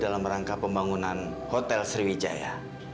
dalam rangka pembangunan hotel sriwijaya